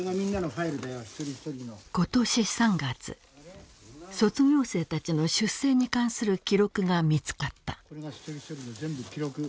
今年３月卒業生たちの出生に関する記録が見つかった。